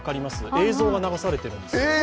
映像が流されているんですよ。